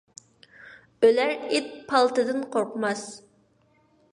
ئۆلەر ئىت پالتىدىن قورقماس.